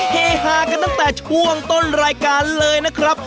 เฮฮากันตั้งแต่ช่วงต้นรายการเลยนะครับ